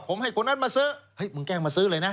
ผมให้คนนั้นมาซื้อเฮ้ยมึงแกล้งมาซื้อเลยนะ